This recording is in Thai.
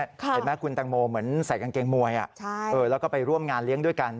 เห็นไหมคุณแตงโมเหมือนใส่กางเกงมวยแล้วก็ไปร่วมงานเลี้ยงด้วยกัน